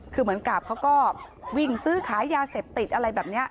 คือเหมือนกับเขาก็วิ่งซื้อขายยาเสพติดอะไรแบบนี้